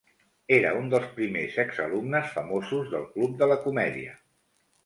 Era un dels primers exalumnes famosos del club de la comèdia.